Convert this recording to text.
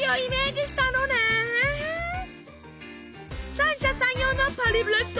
三者三様のパリブレスト。